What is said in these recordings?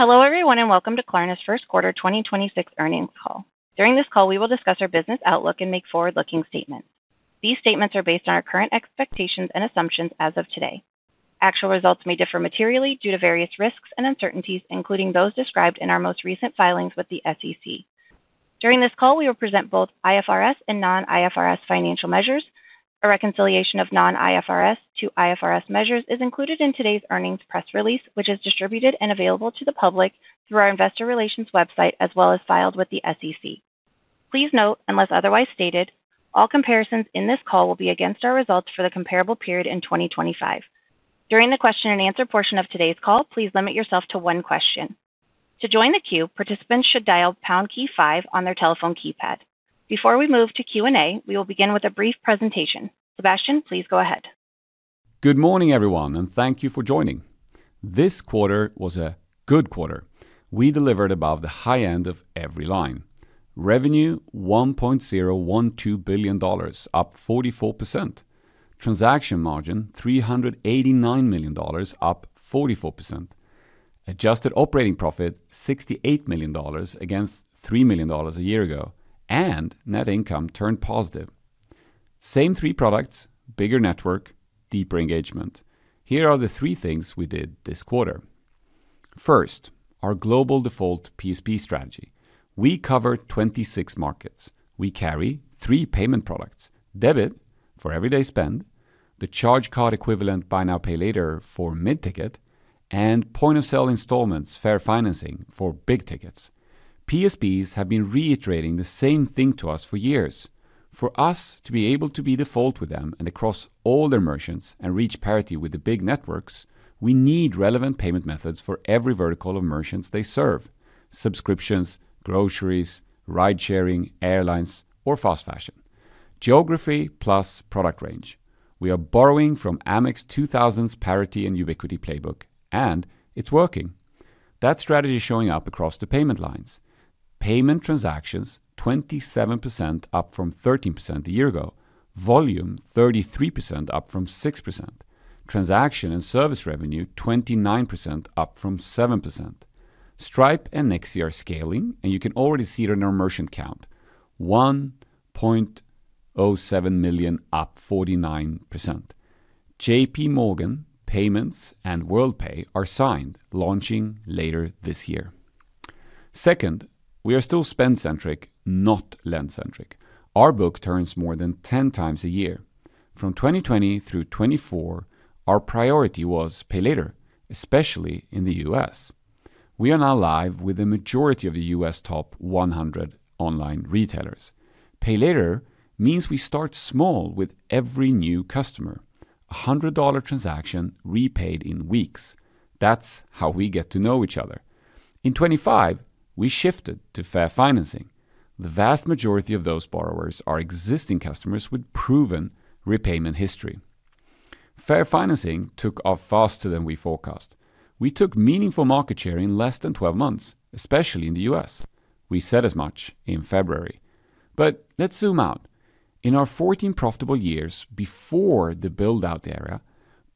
Hello, everyone, and welcome to Klarna's 1st quarter 2026 earnings call. During this call, we will discuss our business outlook and make forward-looking statements. These statements are based on our current expectations and assumptions as of today. Actual results may differ materially due to various risks and uncertainties, including those described in our most recent filings with the SEC. During this call, we will present both IFRS and non-IFRS financial measures. A reconciliation of non-IFRS to IFRS measures is included in today's earnings press release, which is distributed and available to the public through our investor relations website, as well as filed with the SEC. Please note, unless otherwise stated, all comparisons in this call will be against our results for the comparable period in 2025. During the question and answer portion of today's call, please limit yourself to one question. To join the queue, participants should dial pound key five on their telephone keypad. Before we move to Q&A, we will begin with a brief presentation. Sebastian, please go ahead. Good morning, everyone, and thank you for joining. This quarter was a good quarter. We delivered above the high end of every line. Revenue, $1.012 billion, up 44%. Transaction margin, $389 million, up 44%. Adjusted operating profit, $68 million against $3 million a year ago. Net income turned positive. Same three products, bigger network, deeper engagement. Here are the three things we did this quarter. First, our global default PSP strategy. We cover 26 markets. We carry three payment products, debit for everyday spend, the charge card equivalent Buy Now, Pay Later for mid-ticket, and point of sale installments, Financing for big tickets. PSPs have been reiterating the same thing to us for years. For us to be able to be default with them and across all their merchants and reach parity with the big networks, we need relevant payment methods for every vertical of merchants they serve, subscriptions, groceries, ride-sharing, airlines, or fast fashion. Geography plus product range. We are borrowing from Amex 2000s parity and ubiquity playbook, it's working. That strategy is showing up across the payment lines. Payment transactions, 27% up from 13% a year ago. Volume, 33% up from 6%. Transaction and service revenue, 29% up from 7%. Stripe and Nexi are scaling, you can already see it on our merchant count, 1.07 million, up 49%. JPMorgan Payments and Worldpay are signed, launching later this year. Second, we are still spend centric, not lend centric. Our book turns more than 10x a year. From 2020 through 2024, our priority was Pay Later, especially in the U.S. We are now live with the majority of the U.S. top 100 online retailers. Pay Later means we start small with every new customer. A $100 transaction repaid in weeks. That's how we get to know each other. In 2025, we shifted to Financing. The vast majority of those borrowers are existing customers with proven repayment history. Financing took off faster than we forecast. We took meaningful market share in less than 12 months, especially in the U.S. We said as much in February. Let's zoom out. In our 14 profitable years before the build-out era,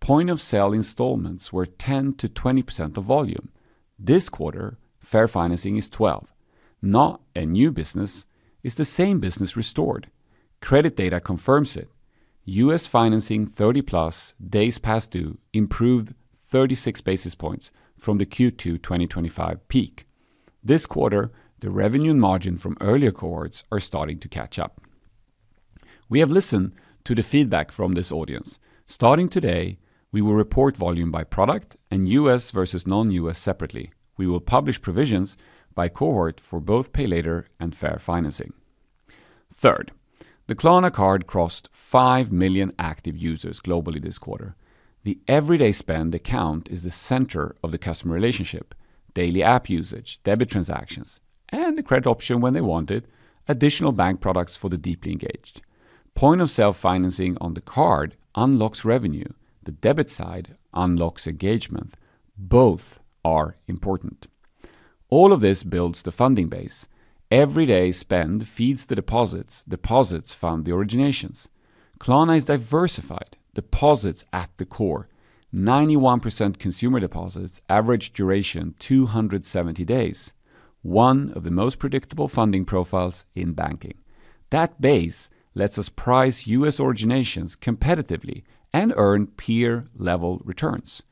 point of sale installments were 10%-20% of volume. This quarter, Financing is 12. Not a new business, it's the same business restored. Credit data confirms it. U.S. Financing 30+ days past due improved 36 basis points from the Q2 2025 peak. This quarter, the revenue and margin from earlier cohorts are starting to catch up. We have listened to the feedback from this audience. Starting today, we will report volume by product and U.S. versus non-U.S. separately. We will publish provisions by cohort for both Pay Later and Financing. Third, the Klarna Card crossed 5 million active users globally this quarter. The everyday spend account is the center of the customer relationship, daily app usage, debit transactions, and the credit option when they want it, additional bank products for the deeply engaged. Point of sale Financing on the card unlocks revenue. The debit side unlocks engagement. Both are important. All of this builds the funding base. Everyday spend feeds the deposits. Deposits fund the originations. Klarna is diversified. Deposits at the core. 91% consumer deposits, average duration 270 days. One of the most predictable funding profiles in banking. That base lets us price U.S. originations competitively and earn peer-level returns.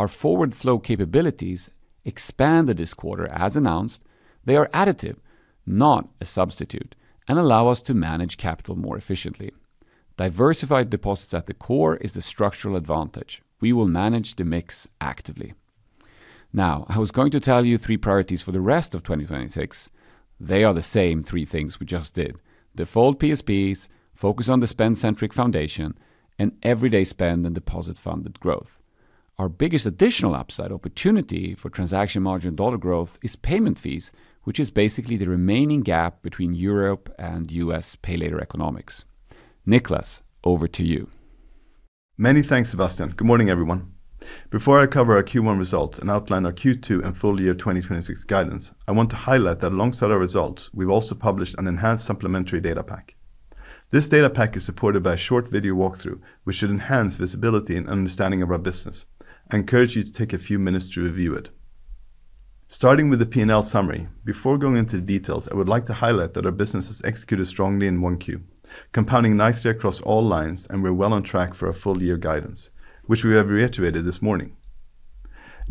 Our forward flow capabilities expand this quarter as announced. They are additive, not a substitute, and allow us to manage capital more efficiently. Diversified deposits at the core is the structural advantage. We will manage the mix actively. I was going to tell you three priorities for the rest of 2026. They are the same three things we just did. Default PSPs, focus on the spend-centric foundation, and everyday spend and deposit-funded growth. Our biggest additional upside opportunity for transaction margin dollar growth is payment fees, which is basically the remaining gap between Europe and U.S. Pay Later economics. Niclas, over to you. Many thanks, Sebastian. Good morning, everyone. Before I cover our Q1 results and outline our Q2 and full year 2026 guidance, I want to highlight that alongside our results, we've also published an enhanced supplementary data pack. This data pack is supported by a short video walkthrough, which should enhance visibility and understanding of our business. I encourage you to take a few minutes to review it. Starting with the P&L summary, before going into the details, I would like to highlight that our business has executed strongly in 1Q, compounding nicely across all lines, and we're well on track for our full year guidance, which we have reiterated this morning.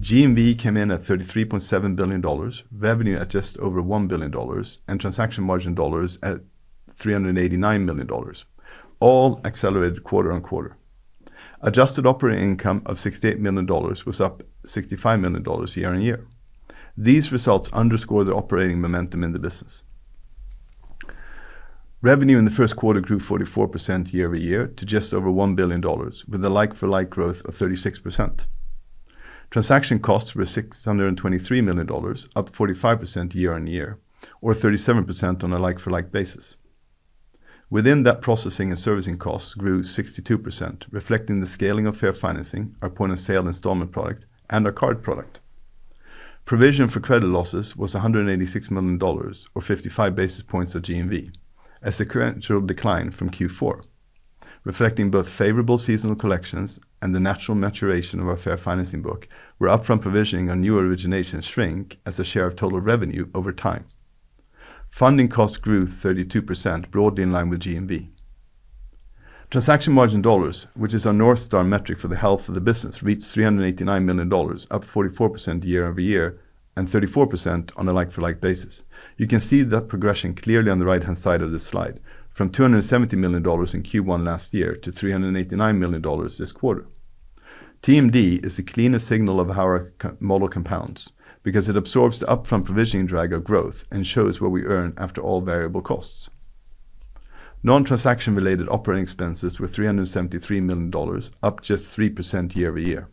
GMV came in at $33.7 billion, revenue at just over $1 billion, and transaction margin dollars at $389 million, all accelerated quarter-on-quarter. Adjusted operating income of $68 million was up $65 million year-over-year. These results underscore the operating momentum in the business. Revenue in the first quarter grew 44% year-over-year to just over $1 billion, with a like-for-like growth of 36%. Transaction costs were $623 million, up 45% year-over-year, or 37% on a like-for-like basis. Within that processing and servicing costs grew 62%, reflecting the scaling of fair Financing, our point of sale installment product and our card product. Provision for credit losses was $186 million, or 55 basis points of GMV, a sequential decline from Q4, reflecting both favorable seasonal collections and the natural maturation of our fair financing book were upfront provisioning our new origination shrink as a share of total revenue over time. Funding costs grew 32% broadly in line with GMV. Transaction margin dollars, which is our North Star metric for the health of the business, reached $389 million, up 44% year-over-year and 34% on a like-for-like basis. You can see that progression clearly on the right-hand side of this slide from $270 million in Q1 last year to $389 million this quarter. TMD is the cleanest signal of how our credit model compounds because it absorbs the upfront provisioning drag of growth and shows what we earn after all variable costs. Non-transaction related operating expenses were $373 million, up just 3% year-over-year.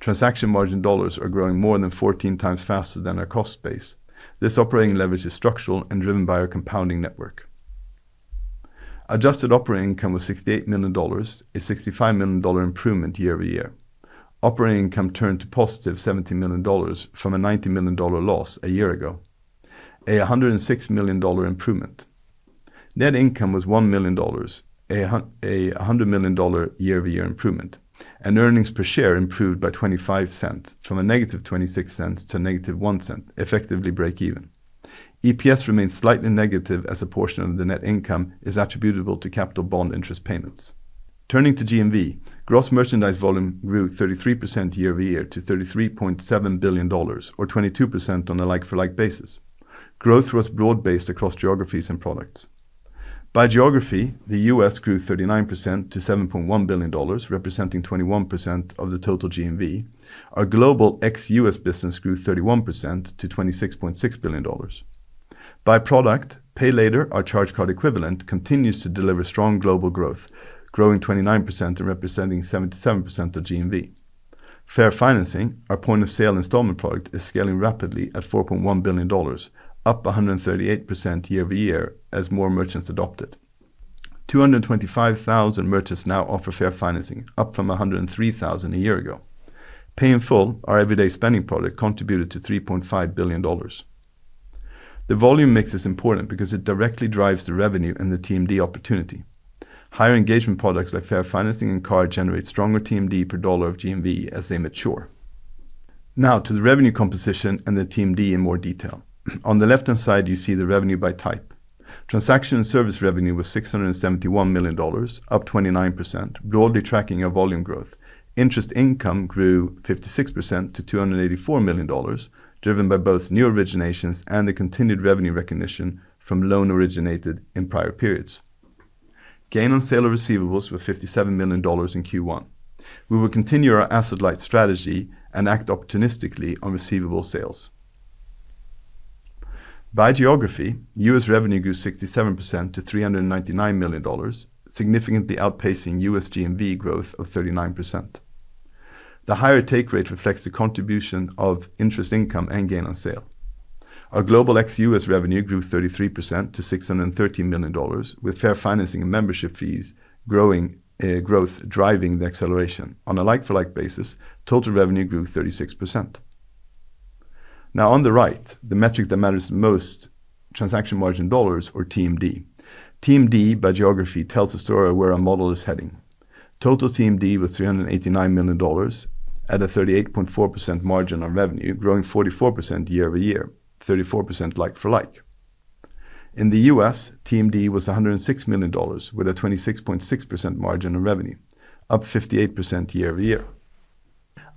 Transaction margin dollars are growing more than 14x faster than our cost base. This operating leverage is structural and driven by our compounding network. Adjusted operating income was $68 million, a $65 million improvement year-over-year. Operating income turned to positive $17 million from a $90 million loss a year ago. A $106 million improvement. Net income was $1 million, a $100 million year-over-year improvement, and earnings per share improved by $0.25 from a negative $0.26 to a negative $0.01, effectively break even. EPS remains slightly negative as a portion of the net income is attributable to capital bond interest payments. Turning to GMV, gross merchandise volume grew 33% year-over-year to $33.7 billion or 22% on a like-for-like basis. Growth was broad-based across geographies and products. By geography, the U.S. grew 39% to $7.1 billion, representing 21% of the total GMV. Our global ex-U.S. business grew 31% to $26.6 billion. By product, Pay Later, our charge card equivalent, continues to deliver strong global growth, growing 29% and representing 77% of GMV. Financing, our point of sale installment product, is scaling rapidly at $4.1 billion, up 138% year-over-year as more merchants adopt it. 225,000 merchants now offer Financing, up from 103,000 a year ago. Pay in full, our everyday spending product, contributed to $3.5 billion. The volume mix is important because it directly drives the revenue and the TMD opportunity. Higher engagement products like Financing and Klarna Card generate stronger TMD per dollar of GMV as they mature. To the revenue composition and the TMD in more detail. On the left-hand side, you see the revenue by type. Transaction and service revenue was $671 million, up 29%, broadly tracking our volume growth. Interest income grew 56% to $284 million, driven by both new originations and the continued revenue recognition from loan originated in prior periods. Gain on sale of receivables were $57 million in Q1. We will continue our asset light strategy and act opportunistically on receivable sales. By geography, U.S. revenue grew 67% to $399 million, significantly outpacing U.S. GMV growth of 39%. The higher take rate reflects the contribution of interest income and Gain on sale. Our global ex-U.S. revenue grew 33% to $630 million, with Financing and membership fees growing, growth driving the acceleration. On a like-for-like basis, total revenue grew 36%. On the right, the metric that matters the most, transaction margin dollars or TMD. TMD by geography tells the story of where our model is heading. Total TMD was $389 million at a 38.4% margin on revenue, growing 44% year-over-year, 34% like-for-like. In the U.S., TMD was $106 million with a 26.6% margin on revenue, up 58% year-over-year.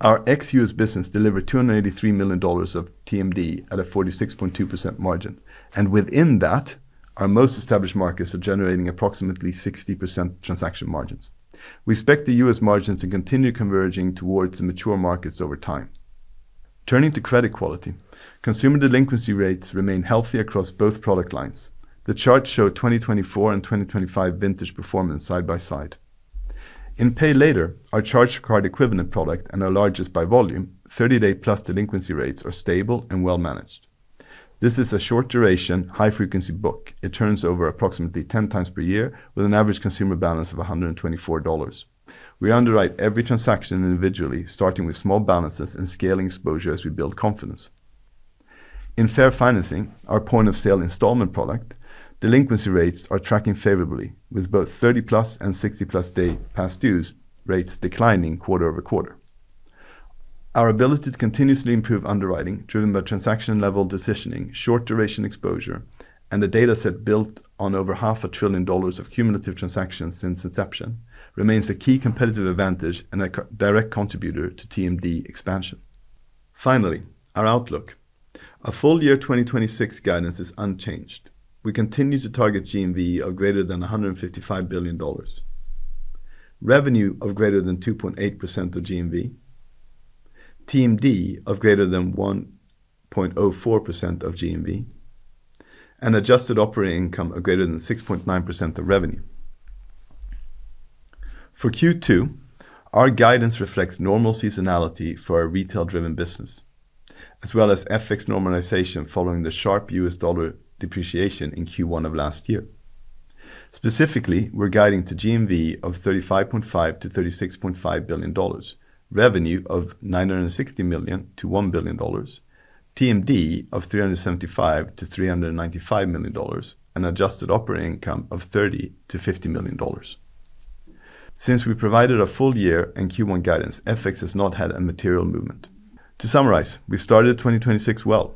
Our ex-U.S. business delivered $283 million of TMD at a 46.2% margin, and within that, our most established markets are generating approximately 60% transaction margins. We expect the U.S. margins to continue converging towards the mature markets over time. Turning to credit quality, consumer delinquency rates remain healthy across both product lines. The charts show 2024 and 2025 vintage performance side by side. In Pay Later, our charge card equivalent product and our largest by volume, 30-day plus delinquency rates are stable and well managed. This is a short duration, high frequency book. It turns over approximately 10x per year with an average consumer balance of $124. We underwrite every transaction individually, starting with small balances and scaling exposure as we build confidence. In Financing, our point of sale installment product, delinquency rates are tracking favorably with both 30+ and 60+ day past dues rates declining quarter-over-quarter. Our ability to continuously improve underwriting driven by transaction level decisioning, short duration exposure, and the data set built on over half a trillion dollars of cumulative transactions since inception remains a key competitive advantage and a direct contributor to TMD expansion. Our outlook. Our full year 2026 guidance is unchanged. We continue to target GMV of greater than $155 billion. Revenue of greater than 2.8% of GMV. TMD of greater than 1.04% of GMV, adjusted operating income of greater than 6.9% of revenue. For Q2, our guidance reflects normal seasonality for our retail driven business, as well as FX normalization following the sharp U.S. dollar depreciation in Q1 of last year. Specifically, we're guiding to GMV of $35.5 billion-$36.5 billion. Revenue of $960 million-$1 billion. TMD of $375 million-$395 million, and adjusted operating income of $30 million-$50 million. Since we provided a full year and Q1 guidance, FX has not had a material movement. To summarize, we started 2026 well.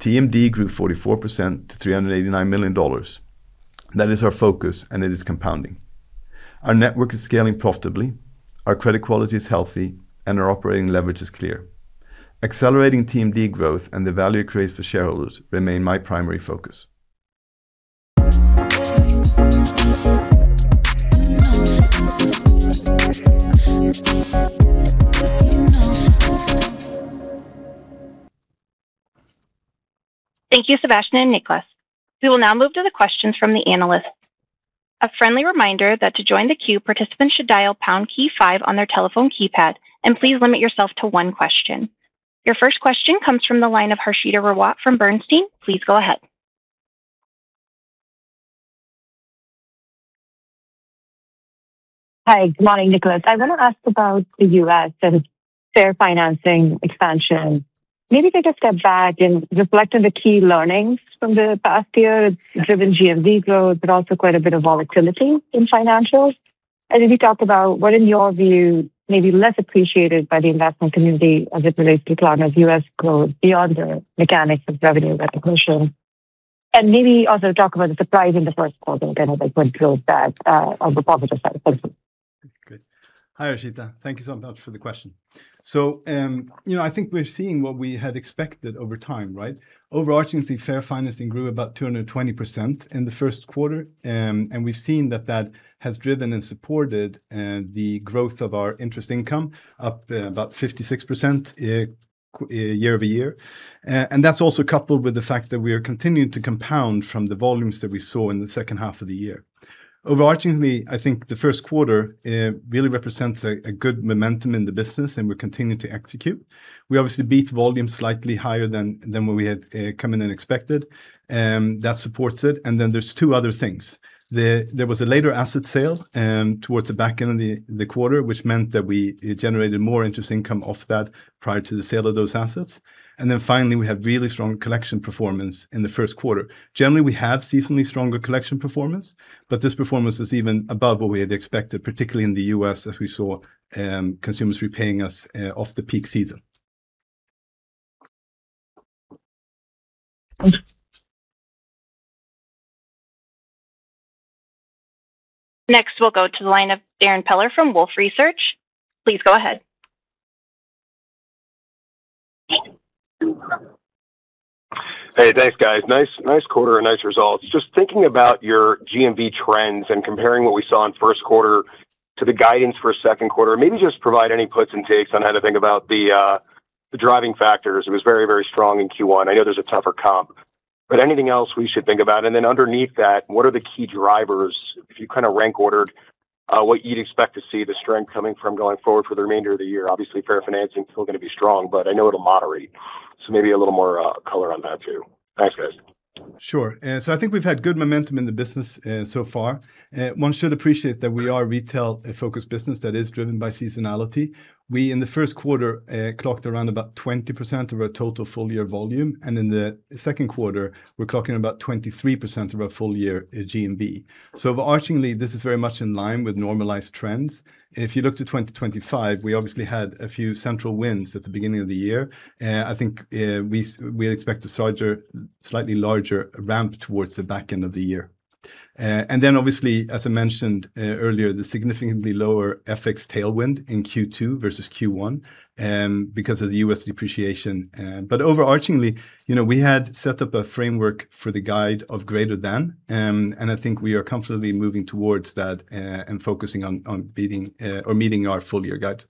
TMD grew 44% to $389 million. That is our focus, and it is compounding. Our network is scaling profitably, our credit quality is healthy, and our operating leverage is clear. Accelerating TMD growth and the value created for shareholders remain my primary focus. Thank you, Sebastian and Niclas. We will now move to the questions from the analysts. Your first question comes from the line of Harshita Rawat from Bernstein. Please go ahead. Hi. Good morning, Niclas. I want to ask about the U.S. and fair financing expansion. Maybe take a step back and reflect on the key learnings from the past year. It's driven GMV growth, but also quite a bit of volatility in financials. If you talk about what, in your view, may be less appreciated by the investment community as it relates to Klarna's U.S. growth beyond the mechanics of revenue recognition. Maybe also talk about the surprise in the first quarter, again, as I point to that on the positive side. Thank you. Great. Hi, Harshita. Thank you so much for the question. You know, I think we're seeing what we had expected over time, right? Overarchingly, Financing grew about 220% in the first quarter. We've seen that that has driven and supported the growth of our interest income up about 56% year-over-year. That's also coupled with the fact that we are continuing to compound from the volumes that we saw in the second half of the year. Overarchingly, I think the first quarter really represents a good momentum in the business, we're continuing to execute. We obviously beat volume slightly higher than what we had come in and expected, that supports it. There's two other things. There was a later asset sale towards the back end of the quarter, which meant that it generated more interest income off that prior to the sale of those assets. Finally, we have really strong collection performance in the first quarter. Generally, we have seasonally stronger collection performance, but this performance is even above what we had expected, particularly in the U.S., as we saw consumers repaying us off the peak season. Next, we'll go to the line of Darrin Peller from Wolfe Research. Please go ahead. Hey, thanks, guys. Nice quarter and nice results. Just thinking about your GMV trends and comparing what we saw in first quarter to the guidance for second quarter, maybe just provide any puts and takes on how to think about the driving factors. It was very strong in Q1. I know there's a tougher comp, but anything else we should think about? Underneath that, what are the key drivers if you kinda rank ordered what you'd expect to see the strength coming from going forward for the remainder of the year? Obviously, fair Financing is still gonna be strong, but I know it'll moderate, so maybe a little more color on that too. Thanks, guys. Sure. I think we've had good momentum in the business so far. One should appreciate that we are a retail-focused business that is driven by seasonality. We, in the first quarter, clocked around about 20% of our total full-year volume, and in the second quarter, we're clocking about 23% of our full-year GMV. Overarchingly, this is very much in line with normalized trends. If you look to 2025, we obviously had a few central wins at the beginning of the year. I think we expect a larger, slightly larger ramp towards the back end of the year. Obviously, as I mentioned earlier, the significantly lower FX tailwind in Q2 versus Q1 because of the U.S. depreciation. Overarchingly, you know, we had set up a framework for the guide of greater than, and I think we are comfortably moving towards that, and focusing on beating or meeting our full-year guide.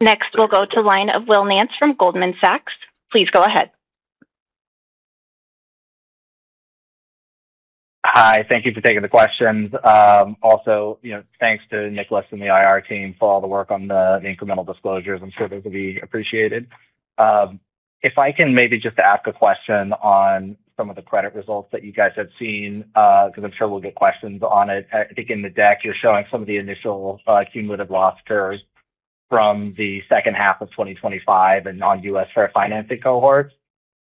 Next, we'll go to line of Will Nance from Goldman Sachs. Please go ahead. Hi, thank you for taking the questions. Also, you know, thanks to Niclas and the IR team for all the work on the incremental disclosures. I'm sure that will be appreciated. If I can maybe just ask a question on some of the credit results that you guys have seen, 'cause I'm sure we'll get questions on it. I think in the deck you're showing some of the initial cumulative losses from the second half of 2025 and non-U.S. Financing cohorts.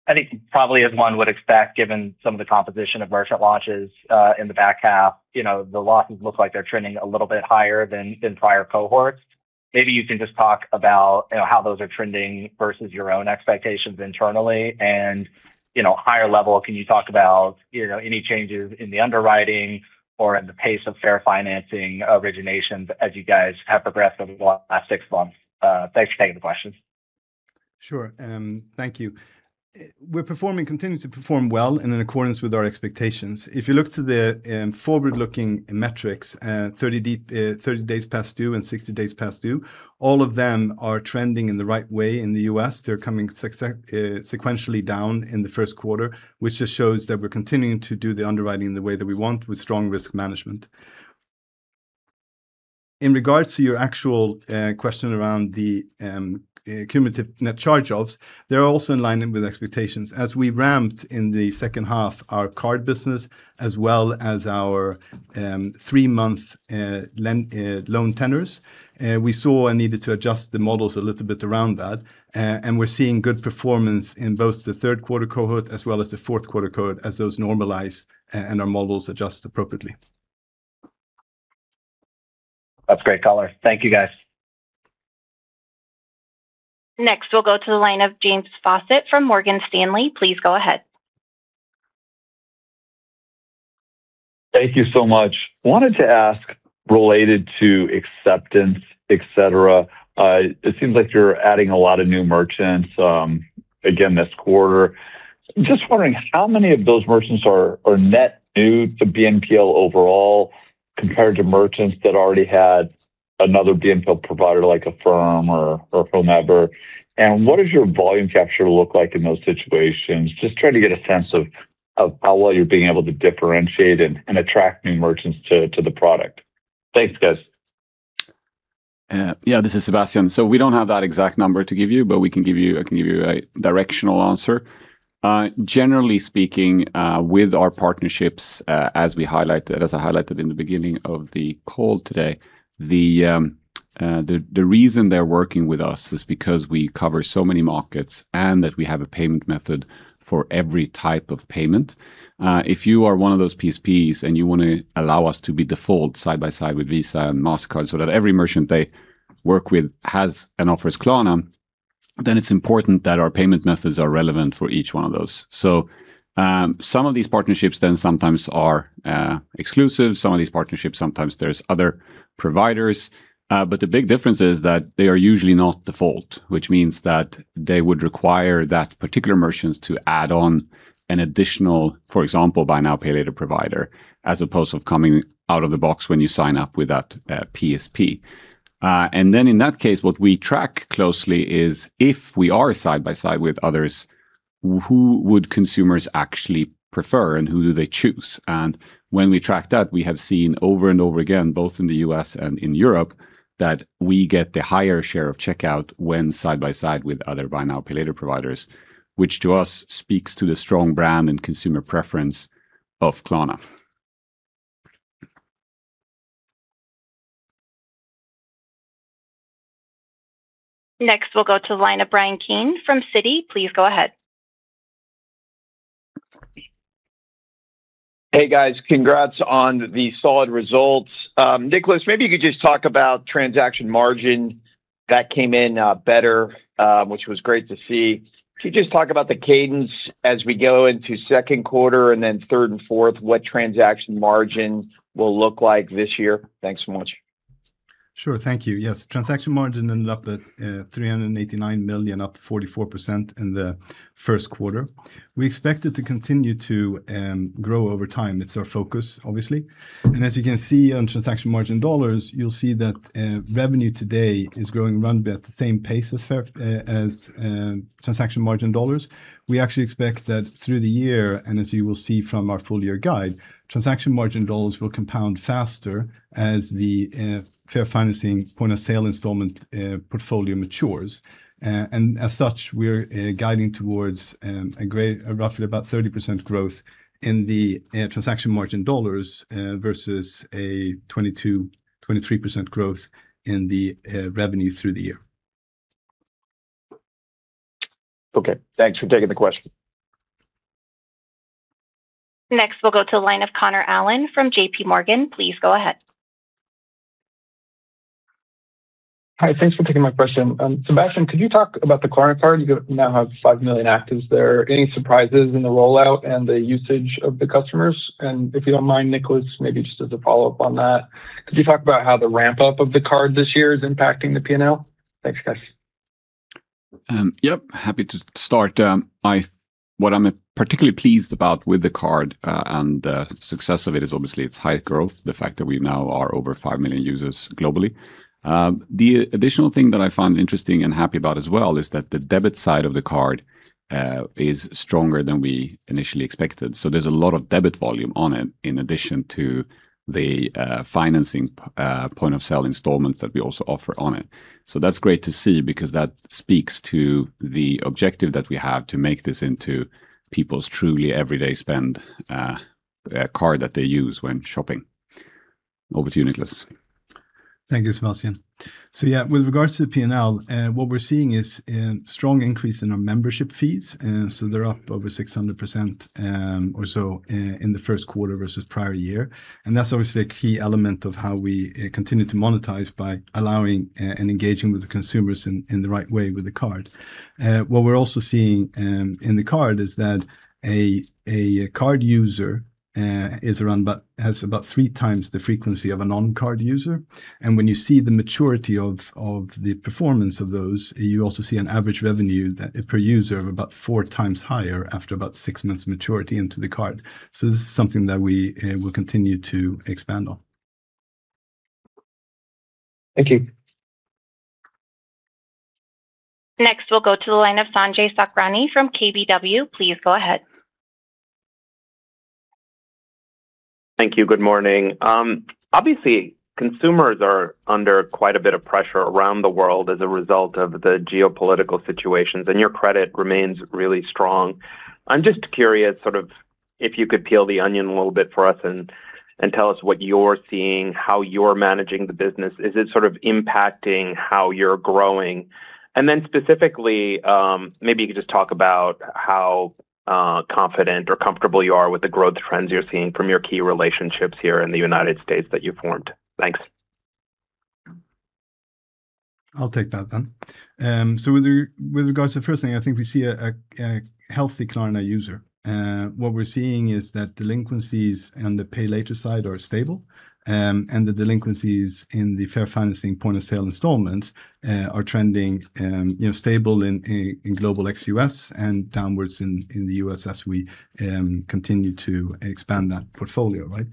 I think probably as one would expect, given some of the composition of merchant launches in the back half, you know, the losses look like they're trending a little bit higher than prior cohorts. Maybe you can just talk about, you know, how those are trending versus your own expectations internally and, you know, higher level, can you talk about, you know, any changes in the underwriting or in the pace of fair Financing origination as you guys have progressed over the last six months? Thanks for taking the question. Thank you. We're performing, continuing to perform well and in accordance with our expectations. If you look to the forward-looking metrics, 30 days past due and 60 days past due, all of them are trending in the right way in the U.S. They're coming sequentially down in the first quarter, which just shows that we're continuing to do the underwriting in the way that we want with strong risk management. In regards to your actual question around the cumulative net charge-offs, they're also in line with expectations. As we ramped in the second half our card business as well as our three-month loan tenors, we saw and needed to adjust the models a little bit around that. We're seeing good performance in both the third quarter cohort as well as the fourth quarter cohort as those normalize and our models adjust appropriately. That's great color. Thank you, guys. Next, we'll go to the line of James Faucette from Morgan Stanley. Please go ahead. Thank you so much. Wanted to ask related to acceptance, et cetera, it seems like you're adding a lot of new merchants again this quarter. Just wondering how many of those merchants are net new to BNPL overall compared to merchants that already had another BNPL provider like Affirm or whoever? What does your volume capture look like in those situations? Just trying to get a sense of how well you're being able to differentiate and attract new merchants to the product. Thanks, guys. Yeah, this is Sebastian. We don't have that exact number to give you, but I can give you a directional answer. Generally speaking, with our partnerships, as we highlighted, as I highlighted in the beginning of the call today, the reason they're working with us is because we cover so many markets and that we have a payment method for every type of payment. If you are one of those PSPs and you want to allow us to be default side by side with Visa and Mastercard so that every merchant they work with has and offers Klarna, it's important that our payment methods are relevant for each one of those. Some of these partnerships then sometimes are exclusive. Some of these partnerships, sometimes there's other providers. But the big difference is that they are usually not default, which means that they would require that particular merchants to add on an additional, for example, Buy Now, Pay Later provider, as opposed of coming out of the box when you sign up with that PSP. Then in that case, what we track closely is if we are side by side with others, who would consumers actually prefer and who do they choose? When we track that, we have seen over and over again, both in the U.S. and in Europe, that we get the higher share of checkout when side by side with other Buy Now, Pay Later providers, which to us speaks to the strong brand and consumer preference of Klarna. Next, we'll go to the line of Bryan Keane from Citi. Please go ahead. Hey, guys. Congrats on the solid results. Niclas, maybe you could just talk about transaction margin. That came in better, which was great to see. Could you just talk about the cadence as we go into second quarter and then third and fourth, what transaction margin will look like this year? Thanks so much. Sure. Thank you. Yes, transaction margin ended up at $389 million, up 44% in the first quarter. We expect it to continue to grow over time. It's our focus, obviously. As you can see on transaction margin dollars, you'll see that revenue today is growing around about the same pace as transaction margin dollars. We actually expect that through the year, as you will see from our full year guide, transaction margin dollars will compound faster as the Financing point of sale installment portfolio matures. As such, we're guiding towards roughly about 30% growth in the transaction margin dollars versus a 22%-23% growth in the revenue through the year. Okay. Thanks for taking the question. Next, we'll go to the line of Connor Allen from JPMorgan. Please go ahead. Hi. Thanks for taking my question. Sebastian, could you talk about the Klarna Card? You now have 5 million actives there. Any surprises in the rollout and the usage of the customers? If you don't mind, Niclas, maybe just as a follow-up on that, could you talk about how the ramp-up of the card this year is impacting the P&L? Thanks, guys. Yep, happy to start. What I'm particularly pleased about with the card and the success of it is obviously its high growth, the fact that we now are over 5 million users globally. The additional thing that I find interesting and happy about as well is that the debit side of the card is stronger than we initially expected. There's a lot of debit volume on it in addition to the financing, point of sale installments that we also offer on it. That's great to see because that speaks to the objective that we have to make this into people's truly everyday spend. Card that they use when shopping. Over to you, Niclas. Thank you, Sebastian. With regards to the P&L, what we're seeing is strong increase in our membership fees. They're up over 600% in the first quarter versus prior year. That's obviously a key element of how we continue to monetize by allowing and engaging with the consumers in the right way with the card. What we're also seeing in the card is that a card user has about 3x the frequency of a non-card user. When you see the maturity of the performance of those, you also see an average revenue per user of about 4x higher after about six months maturity into the card. This is something that we will continue to expand on. Thank you. Next, we'll go to the line of Sanjay Sakhrani from KBW. Please go ahead. Thank you. Good morning. Obviously, consumers are under quite a bit of pressure around the world as a result of the geopolitical situations, and your credit remains really strong. I'm just curious sort of if you could peel the onion a little bit for us and tell us what you're seeing, how you're managing the business. Is it sort of impacting how you're growing? Then specifically, maybe you could just talk about how confident or comfortable you are with the growth trends you're seeing from your key relationships here in the U.S. that you formed. Thanks. I'll take that then. With regards to the first thing, I think we see a healthy Klarna user. What we're seeing is that delinquencies on the Pay Later side are stable, and the delinquencies in the Financing point of sale installments are trending, you know, stable in global ex-U.S. and downwards in the U.S. as we continue to expand that portfolio, right?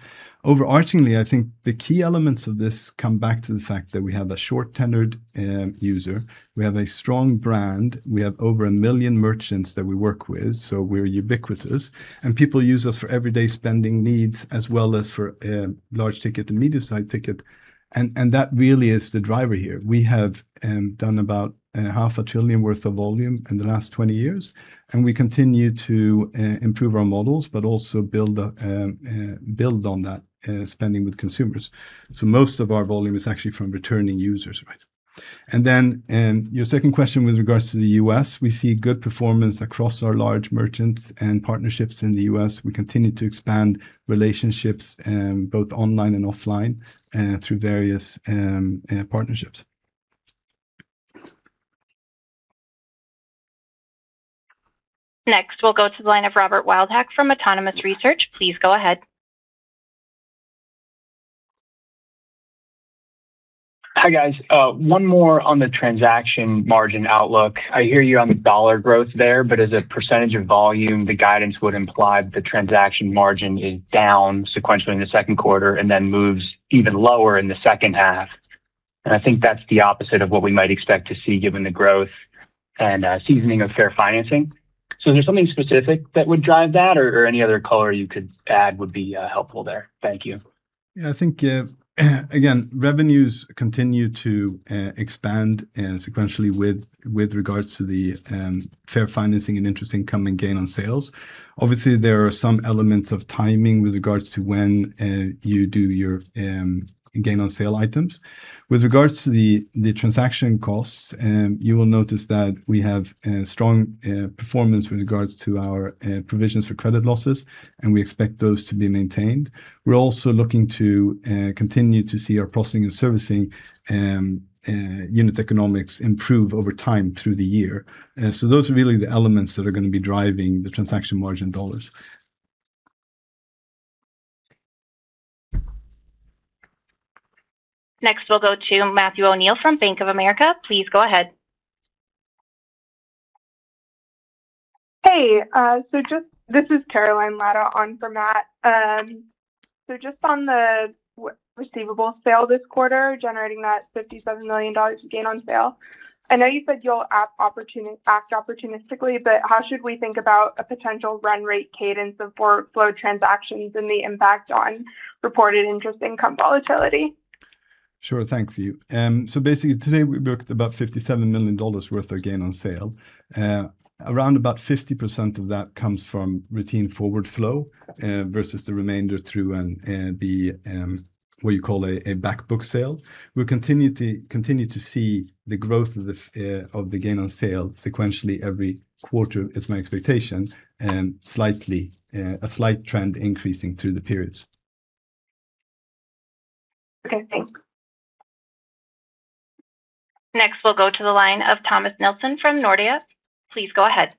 Overarchingly, I think the key elements of this come back to the fact that we have a short-tenored user. We have a strong brand. We have over 1 million merchants that we work with, so we're ubiquitous. People use us for everyday spending needs as well as for large ticket and medium-size ticket. That really is the driver here. We have done about $500 billion worth of volume in the last 20 years, and we continue to improve our models but also build on that spending with consumers. Most of our volume is actually from returning users, right? Your second question with regards to the U.S., we see good performance across our large merchants and partnerships in the U.S. We continue to expand relationships both online and offline through various partnerships. Next, we'll go to the line of Robert Wildhack from Autonomous Research. Please go ahead. Hi, guys. One more on the transaction margin outlook. I hear you on the dollar growth there, but as a percentage of volume, the guidance would imply the transaction margin is down sequentially in the second quarter and then moves even lower in the second half. I think that's the opposite of what we might expect to see given the growth and seasoning of Financing. Is there something specific that would drive that, or any other color you could add would be helpful there? Thank you. Yeah, I think, again, revenues continue to expand sequentially with regards to the Financing and interest income and gain on sale. Obviously, there are some elements of timing with regards to when you do your gain on sale items. With regards to the transaction costs, you will notice that we have strong performance with regards to our provisions for credit losses, and we expect those to be maintained. We're also looking to continue to see our processing and servicing unit economics improve over time through the year. Those are really the elements that are gonna be driving the transaction margin dollars. Next, we'll go to Matthew O'Neill from Bank of America. Please go ahead. Hey, this is Caroline Latta on for Matt. On the receivable sale this quarter, generating that $57 million gain on sale, I know you said you'll act opportunistically, how should we think about a potential run rate cadence of forward flow transactions and the impact on reported interest income volatility? Sure. Thanks, Eve. Basically today we booked about $57 million worth of gain on sale. Around about 50% of that comes from routine forward flow, versus the remainder through the what you call a back book sale. We continue to see the growth of the gain on sale sequentially every quarter, is my expectation, slightly a slight trend increasing through the periods. Okay, thanks. Next, we'll go to the line of Thomas Nelson from Nordea. Please go ahead.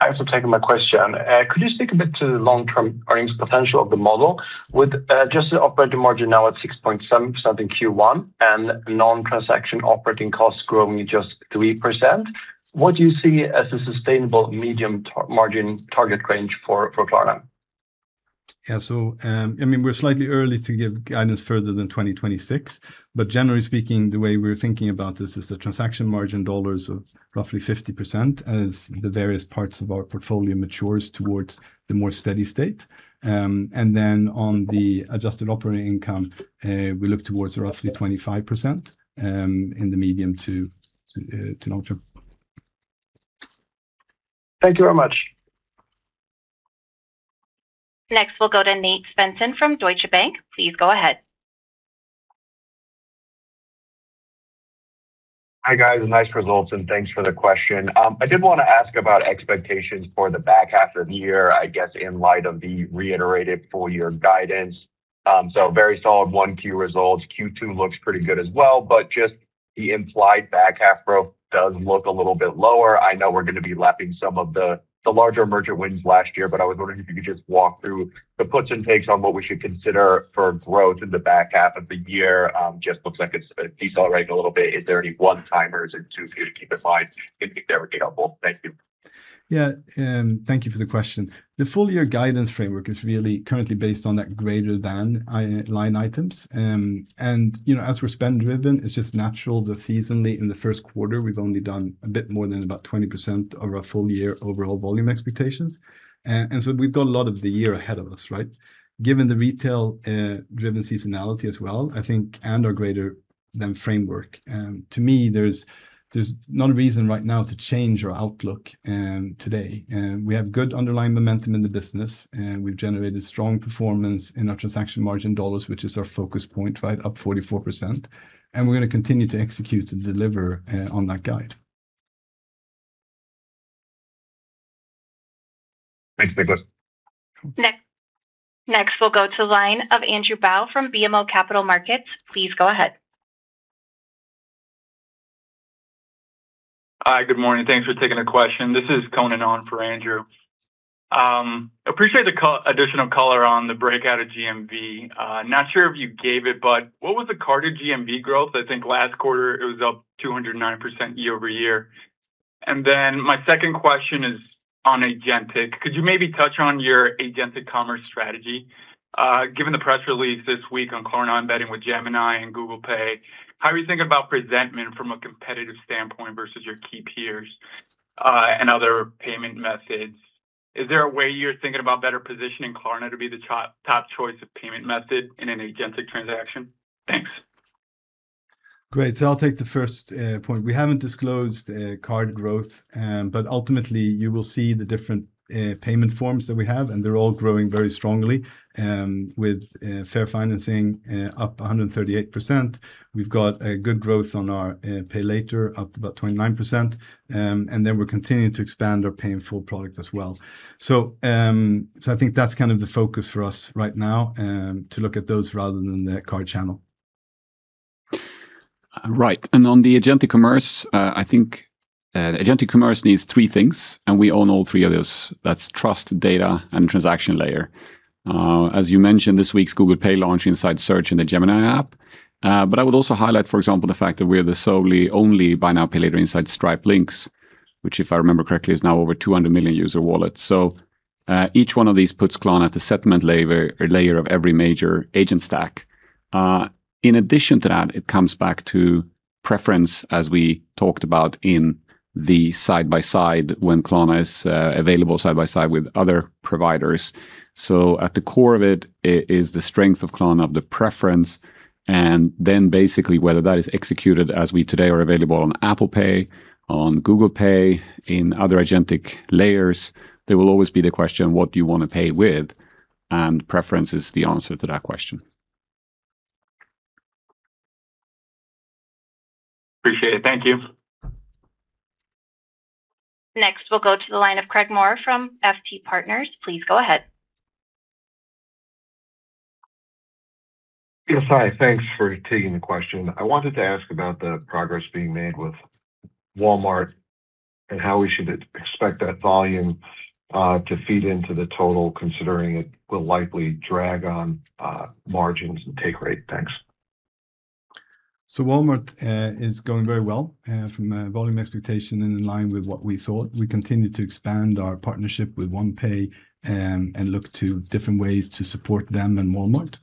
Thanks for taking my question. Could you speak a bit to the long-term earnings potential of the model? With adjusted operating margin now at 6.7% in Q1 and non-transaction operating costs growing just 3%, what do you see as a sustainable medium margin target range for Klarna? Yeah. I mean, we're slightly early to give guidance further than 2026, but generally speaking, the way we're thinking about this is the transaction margin dollars of roughly 50% as the various parts of our portfolio matures towards the more steady state. And then on the adjusted operating income, we look towards roughly 25% in the medium to long term. Thank you very much. Next, we'll go to Nate Spencer from Deutsche Bank. Please go ahead. Hi, guys. Nice results. Thanks for the question. I did want to ask about expectations for the back half of the year, I guess, in light of the reiterated full-year guidance. Very solid 1Q results. Q2 looks pretty good as well. Just the implied back half growth does look a little bit lower. I know we're gonna be lapping some of the larger merchant wins last year. I was wondering if you could just walk through the puts and takes on what we should consider for growth in the back half of the year. Just looks like it's decelerating a little bit. Is there any one-timers or two for you to keep in mind? It'd be very helpful. Thank you. Thank you for the question. The full-year guidance framework is really currently based on that greater than i- line items. You know, as we're spend driven, it's just natural that seasonally in the first quarter, we've only done a bit more than about 20% of our full-year overall volume expectations. We've got a lot of the year ahead of us, right? Given the retail driven seasonality as well, I think and our greater than framework, to me, there's not a reason right now to change our outlook today. We have good underlying momentum in the business, and we've generated strong performance in our transaction margin dollars, which is our focus point, right, up 44%, and we're gonna continue to execute and deliver on that guide. Thanks. Next we'll go to the line of Andrew Bauch from BMO Capital Markets. Please go ahead. Hi, good morning. Thanks for taking the question. This is Conan on for Andrew. Appreciate the additional color on the breakout of GMV. Not sure if you gave it, but what was the carded GMV growth? I think last quarter it was up 209% year-over-year. My second question is on agentic. Could you maybe touch on your agentic commerce strategy? Given the press release this week on Klarna embedding with Gemini and Google Pay, how are you thinking about presentment from a competitive standpoint versus your key peers and other payment methods? Is there a way you're thinking about better positioning Klarna to be the top choice of payment method in an agentic transaction? Thanks. Great. I'll take the first point. We haven't disclosed card growth, but ultimately you will see the different payment forms that we have, and they're all growing very strongly, with Financing up 138%. We've got a good growth on our Pay Later, up about 29%, and then we're continuing to expand our Pay in full product as well. I think that's kind of the focus for us right now, to look at those rather than the card channel. Right. On the agentic commerce, I think agentic commerce needs three things, and we own all three of those. That's trust, data, and transaction layer. As you mentioned, this week's Google Pay launch inside search in the Gemini app. I would also highlight, for example, the fact that we are the solely only Buy Now, Pay Later inside Stripe Link, which if I remember correctly, is now over 200 million user wallet. Each one of these puts Klarna at the settlement layer of every major agent stack. In addition to that, it comes back to preference, as we talked about in the side by side when Klarna is available side by side with other providers. At the core of it is the strength of Klarna, the preference, and then basically whether that is executed as we today are available on Apple Pay, on Google Pay, in other agentic layers, there will always be the question, what do you want to pay with? Preference is the answer to that question. Appreciate it. Thank you. Next, we'll go to the line of Craig Maurer from FT Partners. Please go ahead. Yes, hi. Thanks for taking the question. I wanted to ask about the progress being made with Walmart and how we should expect that volume to feed into the total, considering it will likely drag on margins and take rate. Thanks. Walmart is going very well from a volume expectation and in line with what we thought. We continue to expand our partnership with OnePay and look to different ways to support them and Walmart.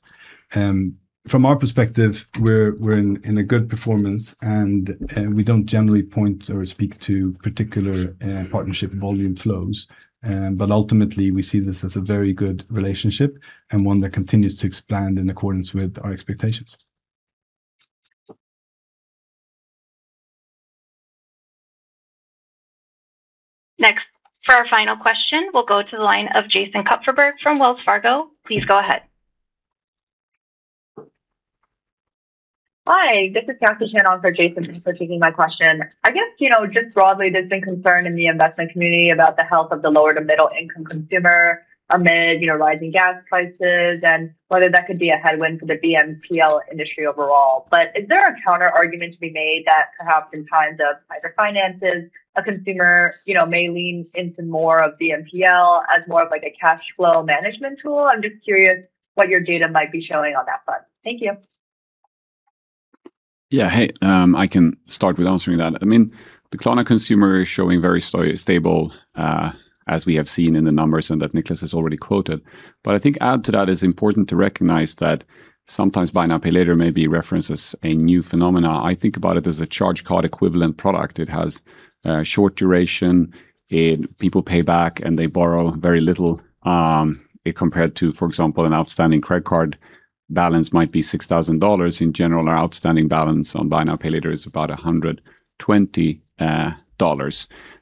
From our perspective, we're in a good performance, and we don't generally point or speak to particular partnership volume flows. Ultimately, we see this as a very good relationship and one that continues to expand in accordance with our expectations. Next, for our final question, we'll go to the line of Jason Kupferberg from Wells Fargo. Please go ahead. Hi, this is Cassie Shannon for Jason. Thanks for taking my question. I guess, you know, just broadly, there's been concern in the investment community about the health of the lower to middle income consumer amid, you know, rising gas prices and whether that could be a headwind for the BNPL industry overall. Is there a counterargument to be made that perhaps in times of tighter finances, a consumer, you know, may lean into more of BNPL as more of like a cash flow management tool? I'm just curious what your data might be showing on that front. Thank you. Yeah. Hey, I can start with answering that. I mean, the Klarna consumer is showing very stable, as we have seen in the numbers and that Niclas has already quoted. I think add to that, it's important to recognize that sometimes Buy Now, Pay Later may be referenced as a new phenomena. I think about it as a charge card equivalent product. It has short duration. People pay back, and they borrow very little, compared to, for example, an outstanding credit card balance might be $6,000. In general, our outstanding balance on Buy Now, Pay Later is about $120.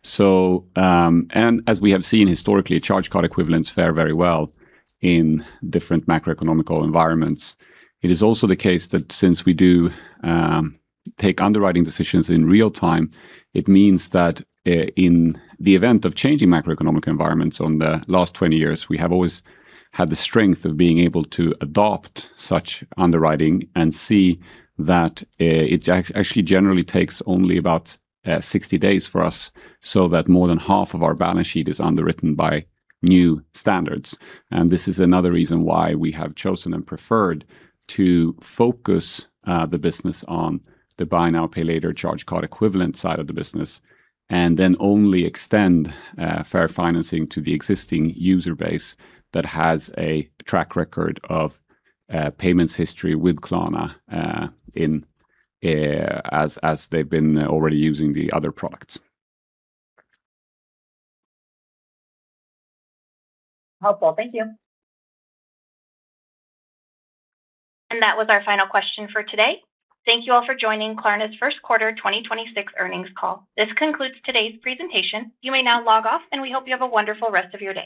As we have seen historically, charge card equivalents fare very well in different macroeconomical environments. It is also the case that since we do take underwriting decisions in real time, it means that in the event of changing macroeconomic environments on the last 20 years, we have always had the strength of being able to adopt such underwriting and see that it actually generally takes only about 60 days for us so that more than half of our balance sheet is underwritten by new standards. This is another reason why we have chosen and preferred to focus the business on the Buy Now, Pay Later charge card equivalent side of the business, and then only extend fair Financing to the existing user base that has a track record of payments history with Klarna, in as as they've been already using the other products. Helpful. Thank you. That was our final question for today. Thank you all for joining Klarna's first quarter 2026 earnings call. This concludes today's presentation. You may now log off, and we hope you have a wonderful rest of your day.